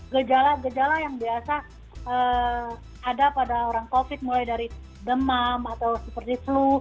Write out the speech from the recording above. gejala gejala yang biasa ada pada orang covid mulai dari demam atau seperti flu